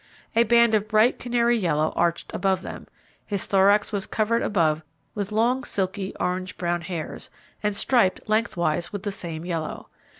A band of bright canary yellow arched above them, his thorax was covered above with long silky, orange brown hairs, and striped lengthwise with the same yellow.